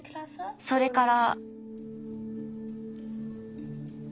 それから。